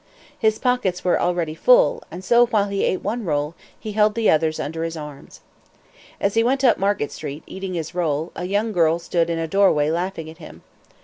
His pockets were already full, and so, while he ate one roll, he held the others under his arms. As he went up Market street, eating his roll, a young girl stood in a doorway laughing at him.